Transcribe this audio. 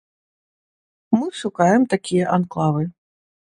Мы шукаем такія анклавы.